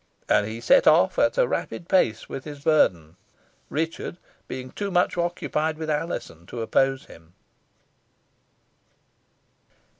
And he set off at a rapid pace with his burthen, Richard being too much occupied with Alizon to oppose him.